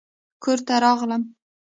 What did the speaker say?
کور ته راغلم